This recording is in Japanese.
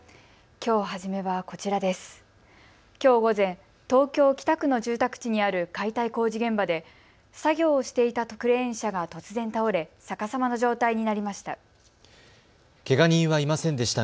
きょう午前、東京北区の住宅地にある解体工事現場で作業をしていたクレーン車が突然倒れ、逆さまの状態になりました。